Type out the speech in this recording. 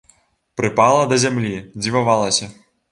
Прыпала да зямлі, дзівавалася.